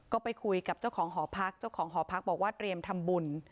ก็ไปคุยกับเจ้าของหอพักเจ้าของหอพักบอกว่าเตรียมทำบุญ